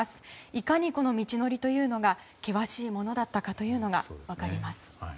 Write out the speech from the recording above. いかにこの道のりというのが険しいものだったかというのが分かります。